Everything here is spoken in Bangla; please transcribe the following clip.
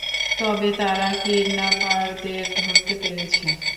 তবেই তারা কিডন্যাপারদের ধরতে পেরেছে।